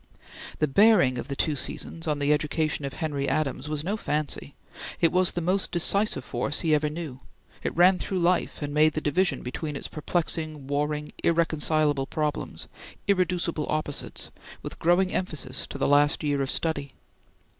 The bearing of the two seasons on the education of Henry Adams was no fancy; it was the most decisive force he ever knew; it ran though life, and made the division between its perplexing, warring, irreconcilable problems, irreducible opposites, with growing emphasis to the last year of study.